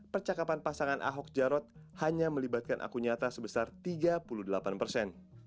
percakapan pasangan ahok jarot hanya melibatkan akun nyata sebesar tiga puluh delapan persen